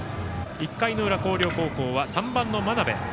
１回の裏、広陵高校は３番の真鍋。